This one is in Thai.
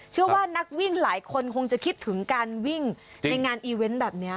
เชื่อว่านักวิ่งหลายคนคงจะคิดถึงการวิ่งในงานอีเวนต์แบบนี้